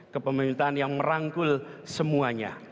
kepemerintahan yang merangkul semuanya